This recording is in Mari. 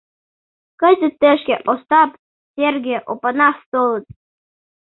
Кызыт тышке Остап, Серге, Опанас толыт.